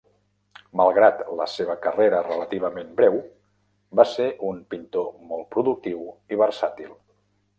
Malgrat la seva carrera relativament breu, va ser un pintor molt productiu i versàtil.